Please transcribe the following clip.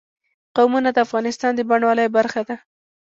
قومونه د افغانستان د بڼوالۍ برخه ده.